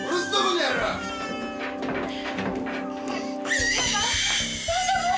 西野さん大丈夫！？